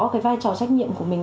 cái vai trò trách nhiệm của mình